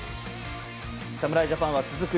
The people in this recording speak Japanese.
侍ジャパンは続く